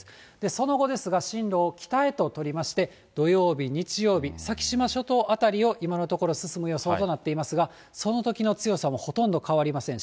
その後ですが、進路を北へと取りまして、土曜日、日曜日、先島諸島辺りを今のところ、進む予想となっていますが、そのときの強さもほとんど変わりません。